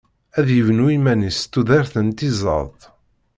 Ad d-yebnu iman-is s tudert n tiẓedt.